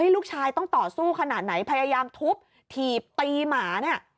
ลูกชายต้องต่อสู้ขนาดไหนพยายามทุบถีบตีหมาเนี่ย